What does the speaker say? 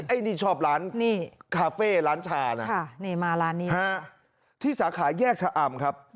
ไอ้นี่ชอบร้านคาเฟ่ร้านชาน่ะที่สาขายแยกชะอำครับ